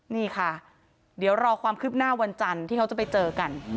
นี่ค่ะเดี๋ยวรอความคืบหน้าวันจันทร์ที่เขาจะไปเจอกัน